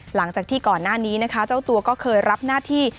หลังจากที่ก่อนหน้านี้นะคะเจ้าตัวก็เคยรับหน้าที่